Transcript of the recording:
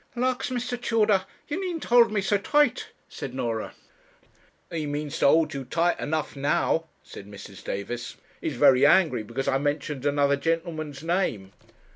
'Lawks, Mr. Tudor, you needn't hold me so tight,' said Norah. 'He means to hold you tight enough now,' said Mrs. Davis. 'He's very angry because I mentioned another gentleman's name.'